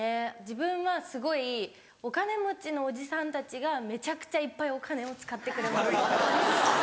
自分はすごいお金持ちのおじさんたちがめちゃくちゃいっぱいお金を使ってくれます。